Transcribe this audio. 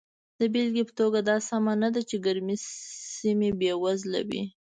د بېلګې په توګه دا سمه نه ده چې ګرمې سیمې بېوزله وي.